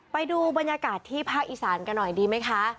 ไปดูบรรยากาศที่ภาคอีสานกันหน่อยดีไหมคะ